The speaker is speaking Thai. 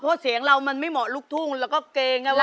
เพราะเสียงเรามันไม่เหมาะลุกทุ่งแล้วก็เกรงนะว่า